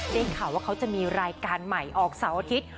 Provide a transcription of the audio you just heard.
ได้ข่าวว่าเขาจะมีรายการใหม่ออกเสาร์อาทิตย์